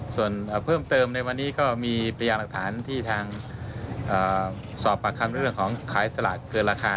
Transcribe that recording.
ส่วนเพิ่มเติมในวันนี้ก็มีพยายามหลักฐานที่ทางสอบปากคำเรื่องของขายสลากเกินราคา